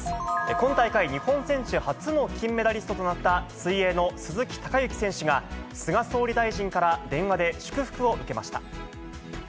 今大会、日本選手初の金メダリストとなった、水泳の鈴木孝幸選手が、菅総理大臣から電話で祝福を受けました。